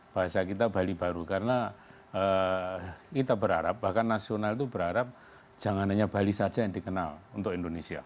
bahasa kita bali baru karena kita berharap bahkan nasional itu berharap jangan hanya bali saja yang dikenal untuk indonesia